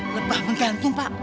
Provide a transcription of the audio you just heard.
lebah menggantung pak